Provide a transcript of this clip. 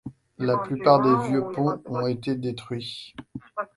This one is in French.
La plupart des vieux ponts ont été détruits.